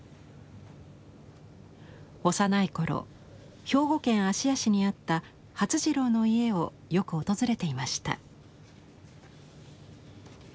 幼い頃兵庫県芦屋市にあった發次郎の家をよく訪れていました。